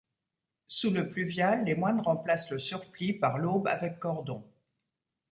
Sous le pluvial, les moines remplacent le surplis par l'aube avec cordon.